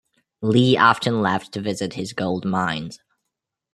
Lee often left to visit his gold mines.